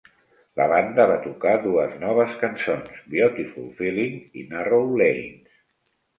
La banda va tocar dues noves cançons, "Beautiful Feeling" i "Narrow Lanes".